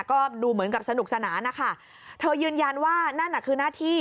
ก็ดูเหมือนกับสนุกสนานนะคะเธอยืนยันว่านั่นน่ะคือหน้าที่